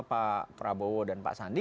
pak prabowo dan pak sandi